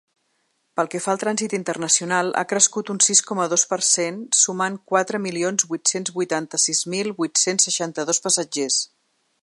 Pel que fa al trànsit internacional, ha crescut un sis coma dos per cent, sumant quatre milions vuit-cents vuitanta-sis mil vuit-cents seixanta-dos passatgers.